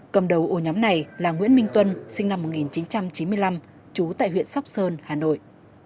cầm đầu ổ nhóm này là nguyễn minh tuân sinh năm một nghìn chín trăm chín mươi năm trú tại huyện sóc sơn hà nội